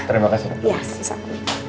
terima kasih dok